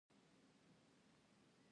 دغه انتظار ډېر اوږد نه شو.